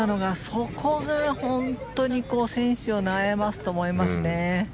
そこが本当に選手を悩ますと思いますね。